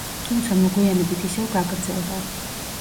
თუმცა მოგვიანებით ისევ გაგრძელდა.